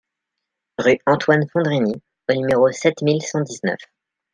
Rue Antoine Fondrini au numéro sept mille cent dix-neuf